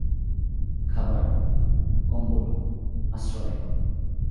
খাবার, কম্বল, আশ্রয়।